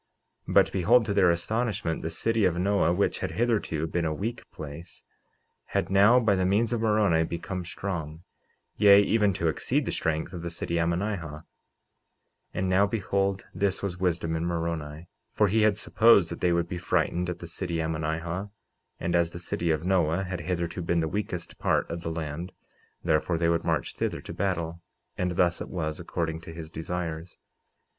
49:14 But behold, to their astonishment, the city of Noah, which had hitherto been a weak place, had now, by the means of Moroni, become strong, yea, even to exceed the strength of the city Ammonihah. 49:15 And now, behold, this was wisdom in Moroni; for he had supposed that they would be frightened at the city Ammonihah; and as the city of Noah had hitherto been the weakest part of the land, therefore they would march thither to battle; and thus it was according to his desires.